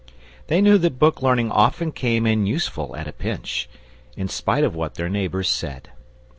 They knew that book learning often came in useful at a pinch, in spite of what their neighbours said.